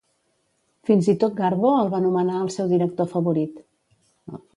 Fins i tot, Garbo el va nomenar el seu director favorit.